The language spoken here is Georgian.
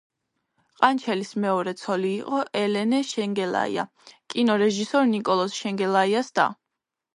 ყანჩელის მეორე ცოლი იყო ელენე შენგელაია, კინორეჟისორ ნიკოლოზ შენგელაიას და.